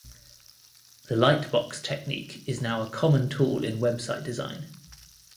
The Lightbox technique is now a common tool in website design.